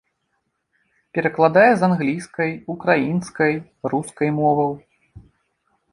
Перакладае з англійскай, украінскай, рускай моваў.